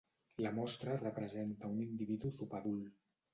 La mostra representa un individu subadult.